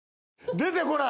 出てこない。